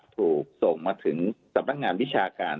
ถูกส่งมาถึงสำนักงานวิชาการ